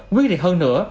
quyết định hơn nữa